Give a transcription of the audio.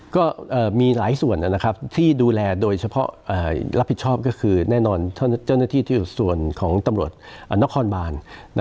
ก็มีหลายส่วนที่ดูแลโดยเฉพาะรับผิดชอบก็คือแน่นอนเจ้าหน้าที่ที่ส่วนของตำรวจนครบาน